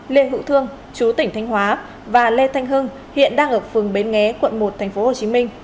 lê hữu thương chú tỉnh thanh hóa và lê thanh hưng hiện đang ở phường bến nghé quận một tp hcm